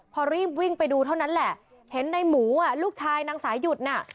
พอรีบวิ่งไปดูเท่านั้นแหละเห็นในหมูอ่ะลูกชายนางสายหยุดน่ะ